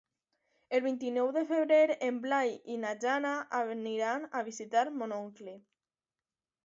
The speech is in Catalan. El vint-i-nou de febrer en Blai i na Jana aniran a visitar mon oncle.